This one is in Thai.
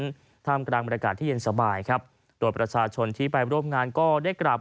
ท่ามกลางบรรยากาศที่เย็นสบายครับโดยประชาชนที่ไปร่วมงานก็ได้กลับ